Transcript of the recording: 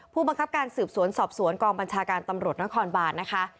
ผู้บังคับการสืบสวนสอบสวนกองบัญชาการตำรวจนครบานนะคะ